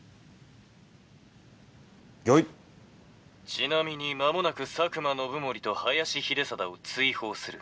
「ちなみに間もなく佐久間信盛と林秀貞を追放する」。